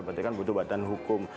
berarti kan butuh badan hukum